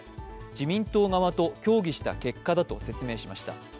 自民党側と協議した結果だと説明しました。